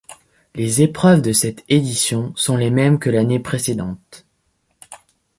Les épreuves de cette édition sont les mêmes que l'année précédente.